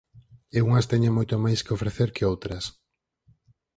E unhas teñen moito máis que ofrecer que outras.